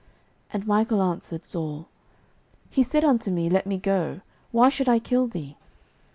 And Michal answered Saul, He said unto me, Let me go; why should I kill thee?